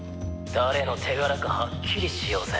「誰の手柄かはっきりしようぜ」